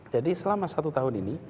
jadi selama satu tahun ini